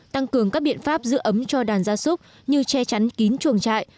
tăng cường các biện pháp giữ ấm cho đàn gia súc như che chắn kín chuồng trại